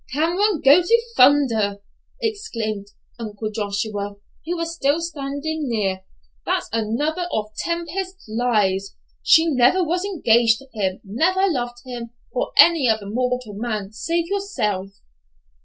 "Cameron go to Thunder!" exclaimed Uncle Joshua, who was still standing near. "That's another of Tempest's lies. She never was engaged to him; never loved him, or any other mortal man, save yourself."